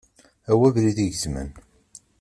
Awi abrid igezmen!